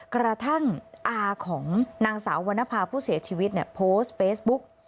กระทั่งอาของนางสาววรรณภาผู้เสียชีวิตโพสต์เฟซบุ๊ก